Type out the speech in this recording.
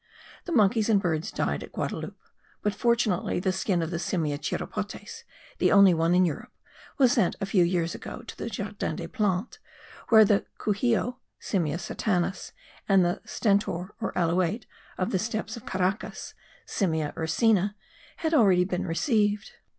The monkeys and birds died at Guadaloupe but fortunately the skin of the Simia chiropotes, the only one in Europe, was sent a few years ago to the Jardin des Plantes, where the couxio (Simia satanas) and the stentor or alouate of the steppes of Caracas (Simia ursina) had been already received.